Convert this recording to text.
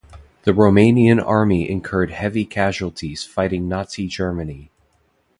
The Romanian Army incurred heavy casualties fighting Nazi Germany.